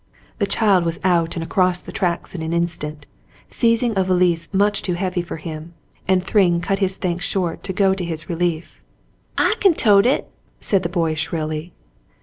The child was out and across the tracks in an instant, seizing a valise much too hea\'y for him, and Thryng cut his thanks short to go to his relief. "I kin tote it," said the boy shrilly.